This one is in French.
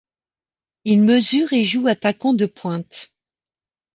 Il mesure et joue attaquant de pointe.